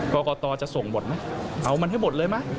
กรกตจะส่งหมดไหมเอามันให้หมดเลยไหม